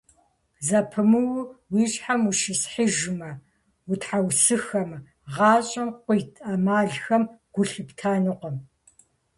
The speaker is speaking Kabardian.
Зэпымыууэ уи щхьэм ущысхьыжмэ, утхьэусыхэмэ, гъащӏэм къуит Ӏэмалхэм гу лъыптэнукъым.